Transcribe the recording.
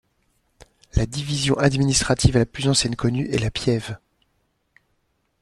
La division administrative la plus ancienne connue est la pieve.